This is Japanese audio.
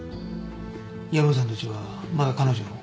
山さんたちはまだ彼女を？